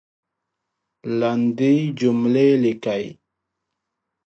لندي جملې لیکئ !